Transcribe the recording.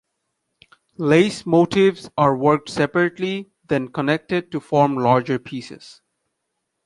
Lace motifs are worked separately, then connected to form larger pieces.